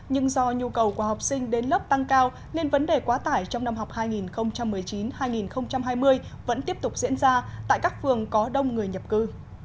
nhưng do nhu cầu của học sinh đến lớp tăng cao nên vấn đề quá tải trong năm học hai nghìn một mươi chín hai nghìn hai mươi vẫn tiếp tục diễn ra tại các phường có đông người nhập cư